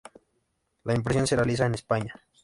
La impresión se realiza en España.